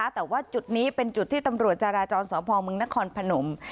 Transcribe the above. แต่ว่าจุดนี้เป็นจุดที่ตำรวจจาราจรสพมนครพนม